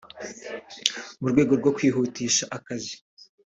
mu rwego rwo kwihutisha akazi